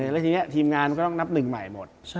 แล้วทีนี้ทีมงานก็ต้องนับหนึ่งใหม่หมด